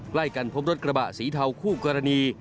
ใกล้กันพบรถกระบะสีเทาคู่กรณี